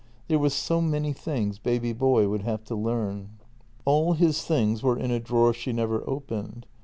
There were so many things baby boy would have to learn. All his things were in a drawer she never opened.